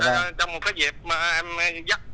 trong một dịp em dắt